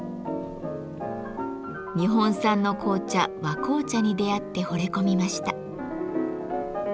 日本産の紅茶「和紅茶」に出会ってほれ込みました。